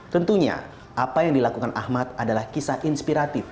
tentunya apa yang dilakukan ahmad adalah kisah inspiratif